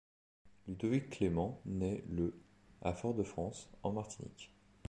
Ludovic Clément nait le à Fort-de-France, en Martinique.